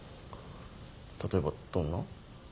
例えばどんな？